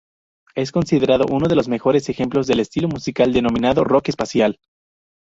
Es considerado uno de los mejores ejemplos del estilo musical denominado rock espacial.